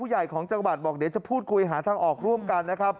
ใหญ่ของจังหวัดบอกเดี๋ยวจะพูดคุยหาทางออกร่วมกันนะครับ